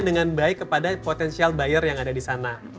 dengan baik kepada potensial buyer yang ada di sana